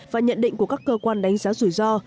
và nhận định của các cơ quan đánh giá rủi ro